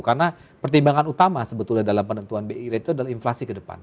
karena pertimbangan utama sebetulnya dalam penentuan bi rate itu adalah inflasi ke depan